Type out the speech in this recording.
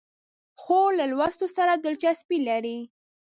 خور له لوستو سره دلچسپي لري.